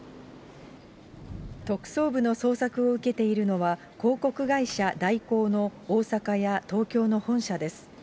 特捜部の捜索を受けているのは、広告会社、大広の大阪や東京の本社です。